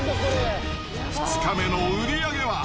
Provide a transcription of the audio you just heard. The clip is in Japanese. ２日目の売り上げは？